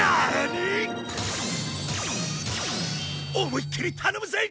思いっきり頼むぜ！